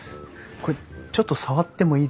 これちょっと触ってもいいですかね？